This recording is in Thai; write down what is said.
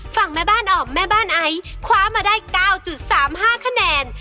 ฝั่งแม่บ้านออกแม่บ้านไอคว้าคนี้มาได้๙๓๕คะแนน